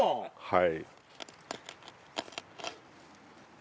はい。